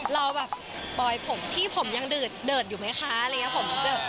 เราแบบปล่อยผมพี่ผมยังเดิดอยู่ไหมคะอะไรอย่างนี้ผม